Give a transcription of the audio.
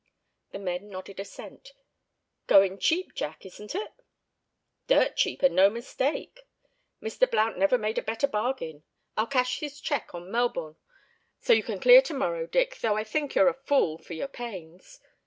The men nodded assent. "Going cheap, Jack, isn't it?" "Dirt cheap, and no mistake. Mr. Blount never made a better bargain. I'll cash his cheque on Melbourne, so you can clear to morrow, Dick, though I think you're a fool for your pains.